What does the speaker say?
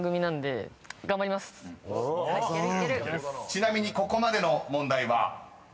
［ちなみにここまでの問題は？］